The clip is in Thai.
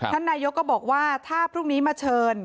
ท่านนายกก็บอกว่าถ้าพรุ่งนี้มาเชิญ